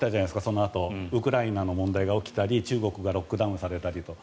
そのあとウクライナ問題が起きたり中国がロックダウンされたりと。